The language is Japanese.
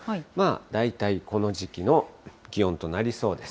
大体この時期の気温となりそうです。